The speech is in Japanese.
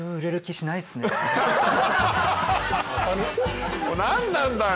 もう何なんだよ。